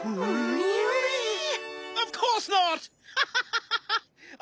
ハハハハ！